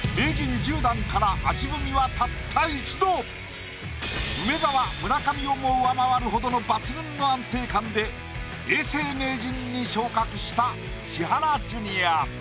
まずは梅沢村上をも上回るほどの抜群の安定感で永世名人に昇格した千原ジュニア。